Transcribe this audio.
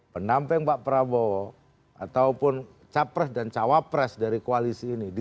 penamping pak prabowo ataupun capres dan cawapres dari koalisi ini